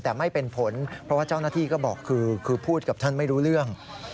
ตะไม่เป็นผลโอ้เจ้าหน้าที่ว่าพูดกับท่านไม่รู้เรื่อง